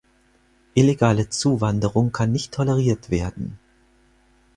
Illegale Zuwanderung kann nicht toleriert werden.